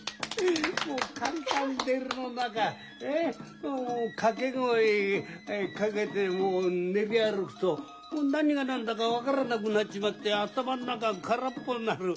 もうカンカン照りの中掛け声かけて練り歩くと何が何だか分からなくなっちまって頭ん中空っぽになる。